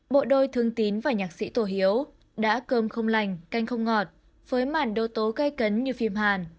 bộ đôi thương tín và nhạc sĩ tổ hiếu đã cơm không lành canh không ngọt với mản đô tố gây cấn như phim hàn